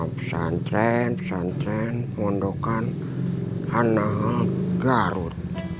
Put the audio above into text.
pesantren pesantren mondokan halal garut